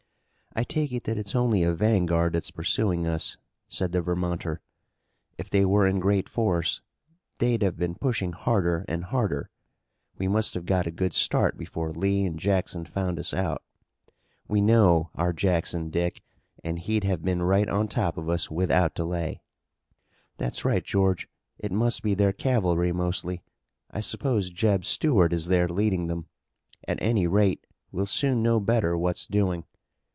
"I take it that it's only a vanguard that's pursuing us," said the Vermonter. "If they were in great force they'd have been pushing harder and harder. We must have got a good start before Lee and Jackson found us out. We know our Jackson, Dick, and he'd have been right on top of us without delay." "That's right, George. It must be their cavalry mostly. I suppose Jeb Stuart is there leading them. At any rate we'll soon know better what's doing.